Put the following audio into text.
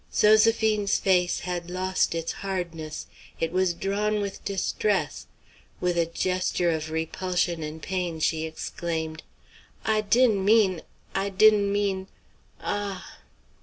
Zoséphine's face had lost its hardness. It was drawn with distress. With a gesture of repulsion and pain she exclaimed: "I di'n' mean I di'n' mean Ah!"